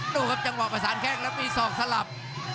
โอ้โหครับจังหวะผสานแค่งแล้วมีส่องสลับ